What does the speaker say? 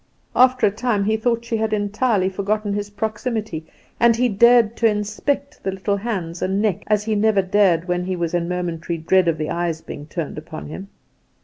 After a time he thought she had entirely forgotten his proximity, and he dared to inspect the little hands and neck as he never dared when he was in momentary dread of the eyes being turned upon him.